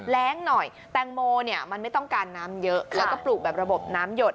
แรงหน่อยแตงโมเนี่ยมันไม่ต้องการน้ำเยอะแล้วก็ปลูกแบบระบบน้ำหยด